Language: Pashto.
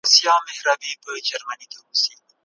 هغه له خپلو نظریو کار واخیست.